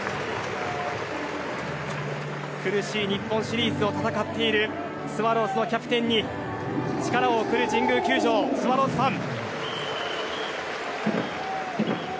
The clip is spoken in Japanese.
苦しい日本シリーズを戦っているスワローズのキャプテンに力を送る、神宮球場スワローズファン。